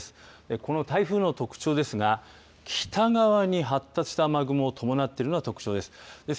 この台風の特徴ですが北側に発達した雨雲を伴っているのが特徴です。